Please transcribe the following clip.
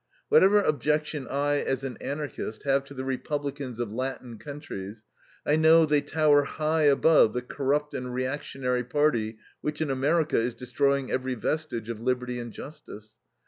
Whatever objection I, as an Anarchist, have to the Republicans of Latin countries, I know they tower high above the corrupt and reactionary party which, in America, is destroying every vestige of liberty and justice.